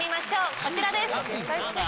こちらです。